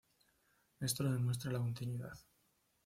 Esto demuestra la continuidad.